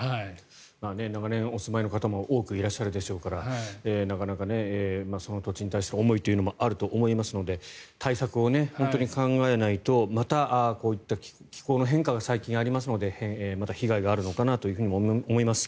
長年お住まいの方も多くいらっしゃるでしょうからなかなかその土地に対して思いというのもあると思いますので対策を本当に考えないとまた、こういった気候の変化が最近ありますので、また被害があるのかなとも思います。